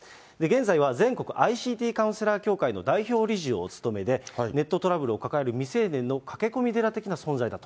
現在は全国ＩＣＴカウンセラー協会の代表理事をお務めで、ネットトラブルを抱える未成年の駆け込み寺的な存在だと。